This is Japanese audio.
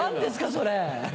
それ。